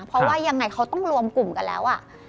เพราะว่ายังไงเขาต้องรวมกลุ่มกันแล้ว